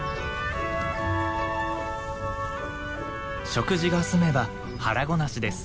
食事が済めば腹ごなしです。